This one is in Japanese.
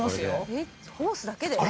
えっホースだけで？